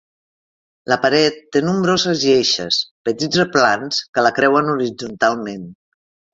La paret té nombroses lleixes, petits replans, que la creuen horitzontalment.